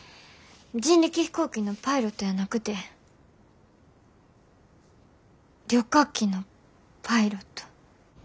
人力飛行機のパイロットやなくて旅客機のパイロット。